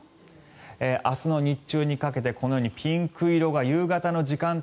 明日の日中にかけてピンク色が夕方の時間帯